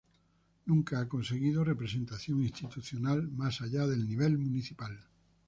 Nunca ha conseguido representación institucional más allá del nivel municipal.